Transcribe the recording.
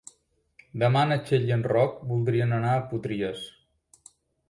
Demà na Txell i en Roc voldrien anar a Potries.